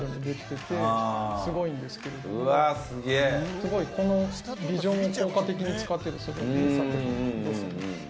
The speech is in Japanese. スゴいこのビジョンを効果的に使っててスゴい作品ですね。